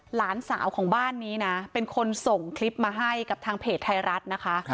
หลานสาวของบ้านนี้นะเป็นคนส่งคลิปมาให้กับทางเพจไทยรัฐนะคะ